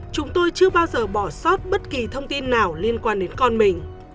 chúng tôi chưa bao giờ bỏ sót bất kỳ thông tin nào liên quan đến con mình